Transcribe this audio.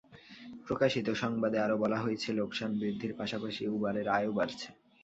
প্রকাশিত সংবাদে আরও বলা হয়েছে, লোকসান বৃদ্ধির পাশাপাশি উবারের আয়ও বাড়ছে।